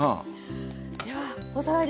ではおさらいです。